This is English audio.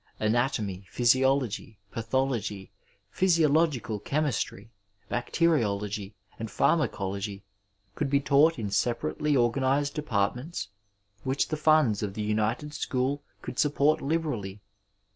Anatomy, physiology, pathology, physiological chemistry, bacteriology, and pharmacology could be taught in separately organized departments which the funds of the united school could support hberally.